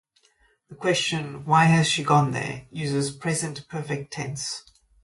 The question "Why has she gone there?" uses Present Perfect tense.